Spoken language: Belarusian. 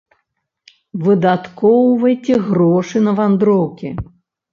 Выдаткоўвайце грошы на вандроўкі.